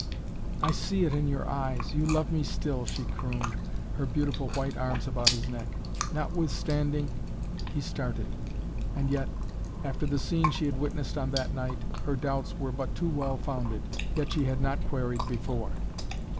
"I see it in your eyes. You love me still," she crooned, her beautiful white arms about his neck, "notwithstanding " He started. And yet, after the scene she had witnessed on that night, her doubts were but too well founded. Yet she had not queried before.